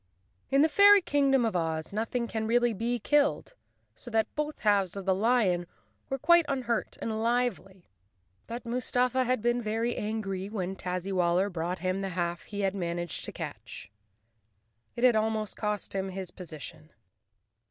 In the Fairy Kingdom of Oz nothing can really be killed, so that both halves of the lion were quite un¬ hurt and lively, but Mustafa had been very angry when Tazzywaller brought him the half he had managed to 23 The Cowardly Lion of Oz _ catch. It had almost cost him his position.